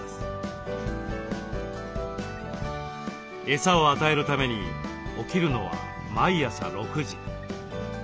エサを与えるために起きるのは毎朝６時。